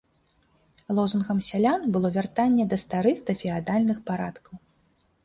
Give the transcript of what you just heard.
Лозунгам сялян было вяртанне да старых дафеадальных парадкаў.